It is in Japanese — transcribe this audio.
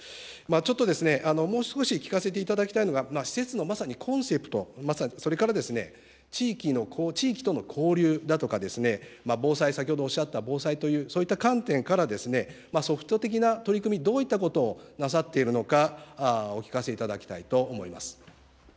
ちょっともう少し聞かせていただきたいのが、施設のまさにコンセプト、それから地域との交流だとか防災、先ほどおっしゃった防災という、そういった観点から、ソフト的な取り組み、どういったことをなさっているのか、お聞かせいただきたいと思います。